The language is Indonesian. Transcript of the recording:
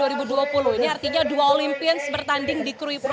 ini artinya dua olimpians bertanding di cruy pro dua ribu dua puluh dua